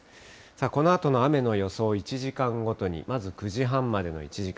このあとの雨の予想、１時間ごとに、まず９時半までの１時間。